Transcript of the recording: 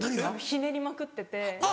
ひねりまくってて。